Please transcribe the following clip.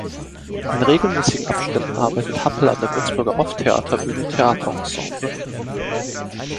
In regelmäßigen Abständen arbeitet Happel an der Würzburger Off-Theater-Bühne "Theater Ensemble".